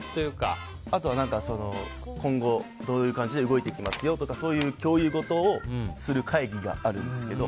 あとは今後どういう感じで動いていきますよみたいなそういう共有ごとをする会議があるんですけど。